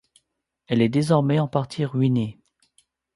Elle est désormais en partie ruinée.